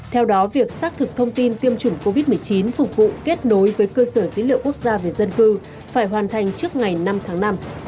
theo đó việc xác thực thông tin tiêm chủng covid một mươi chín phục vụ kết nối với cơ sở dữ liệu quốc gia về dân cư phải hoàn thành trước ngày năm tháng năm